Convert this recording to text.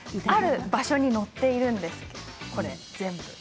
ある場所に載っているんです全部。